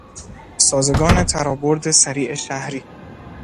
سازگان ترابرد سریع شهری